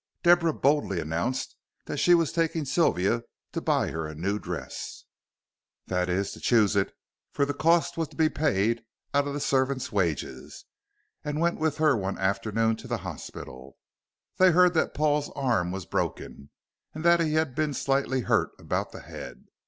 Deborah boldly announced that she was taking Sylvia to buy her a new dress that is, to choose it, for the cost was to be paid out of the servant's wages and went with her one afternoon to the hospital. They heard that Paul's arm was broken, and that he had been slightly hurt about the head.